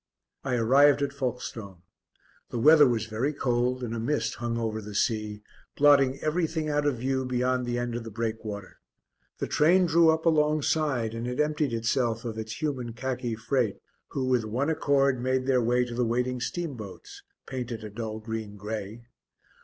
I arrived at Folkestone; the weather was very cold and a mist hung over the sea, blotting everything out of view beyond the end of the breakwater. The train drew up alongside and it emptied itself of its human khaki freight, who, with one accord, made their way to the waiting steamboats, painted a dull green grey.